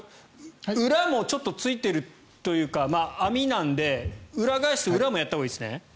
裏もちょっとついてるというか網なので、裏返して裏もやったほうがいいですね？